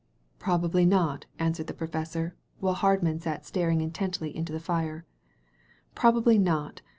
"Probably not," answered the professor, while Hardman sat staring intently into the fire, "prob ably not.